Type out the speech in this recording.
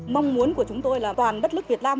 mong muốn của chúng tôi là toàn đất nước việt nam